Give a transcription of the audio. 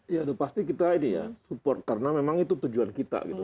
ya udah pasti kita ini ya support karena memang itu tujuan kita gitu